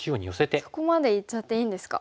あっそこまでいっちゃっていいんですか。